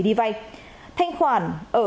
đi vay thanh khoản ở